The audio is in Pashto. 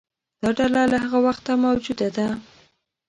دا ډله له هغه وخته موجوده ده.